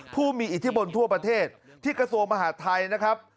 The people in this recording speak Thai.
ผู้มีอิทธิพลทั่วประเทศที่กระทรวงมหาดไทยนะครับ